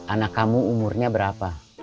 anak kamu umurnya berapa